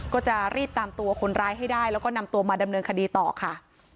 ก็จะรีบตามตัวคนร้ายให้ได้แล้วก็นำตัวมาดำเนินคดีต่อค่ะ